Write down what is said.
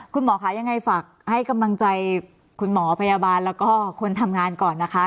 คุณหมอค่ะยังไงฝากให้กำลังใจคุณหมอพยาบาลแล้วก็คนทำงานก่อนนะคะ